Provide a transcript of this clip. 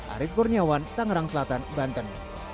arief kurniawan tangerang selatan banten